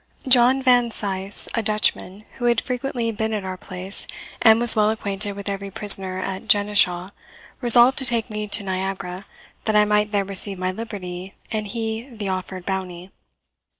John Van Sice, a Dutchman, who had frequently been at our place, and was well acquainted with every prisoner at Genishau, resolved to take me to Niagara, that I might there receive my liberty and he the offered bounty.